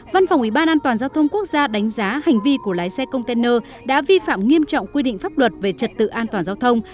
văn phòng ủy ban an toàn giao thông quốc gia đánh giá hành vi của lái xe container đã vi phạm nghiêm trọng quy định pháp luật về trật tự an toàn giao thông